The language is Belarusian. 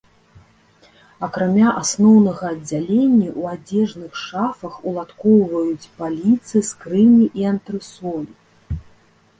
Акрамя асноўнага аддзялення ў адзежных шафах уладкоўваюць паліцы, скрыні і антрэсолі.